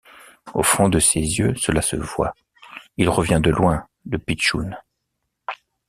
Au fond de ces yeux, cela se voit : il revient de loin, le pitchoun.